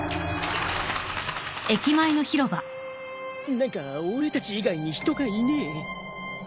何か俺たち以外に人がいねえ。